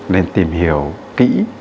nên tìm hiểu kỹ